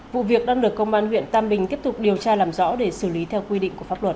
vụ việc đang được công an huyện tam bình tiếp tục điều tra làm rõ để xử lý theo quy định của pháp luật